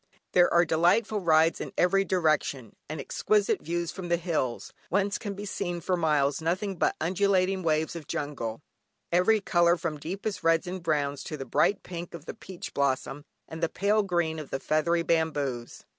There are delightful rides in every direction, and exquisite views from the hills, whence can be seen for miles nothing but undulating waves of jungle, every colour from deepest reds and browns to the bright pink of the peach blossom, and the pale green of the feathery bamboos.